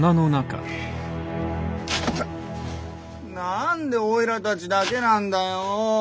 何でおいらたちだけなんだよ！